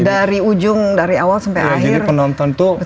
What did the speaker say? dari ujung dari awal sampai akhir betul betul dramatis